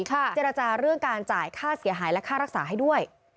เจรจาเรื่องการจ่ายค่าเสียหายและค่ารักษาให้ด้วย